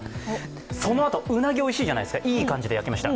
そのあとうなぎおいしいじゃないですか、いい感じで焼きました。